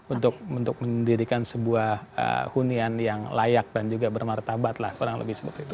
untuk mendirikan sebuah hunian yang layak dan juga bermartabat lah kurang lebih seperti itu